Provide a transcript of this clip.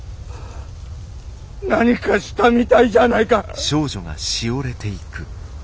何かしたみたいじゃあないかッ！